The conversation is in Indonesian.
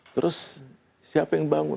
terus siapa yang bangun